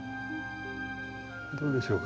どうでしょうか？